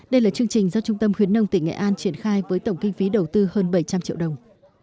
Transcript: đây là chương trình do trung tâm khuyến nông tỉnh nghệ an triển khai với tổng kinh phí đầu tư hơn bảy trăm linh triệu đồng